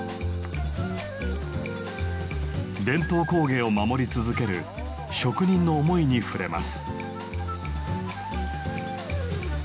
伝統工芸を守り続ける職人の思いに触れます。